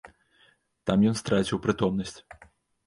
Там ён страціў прытомнасць.